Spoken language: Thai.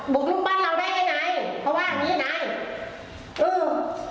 บุกรุกบ้านเราได้ไงเพราะว่ามีไง